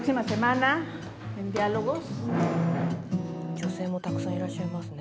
女性もたくさんいらっしゃいますね。